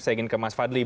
saya ingin ke mas fadli